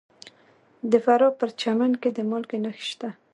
د فراه په پرچمن کې د مالګې نښې شته.